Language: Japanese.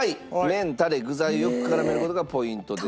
麺タレ具材をよく絡める事がポイントです。